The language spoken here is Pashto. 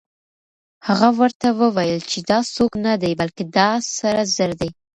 هغه ورته وویل چې دا څوک نه دی، بلکې دا سره زر دي.